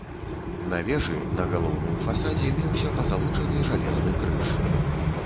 На вежы на галоўным фасадзе меўся пазалочаны жалезны крыж.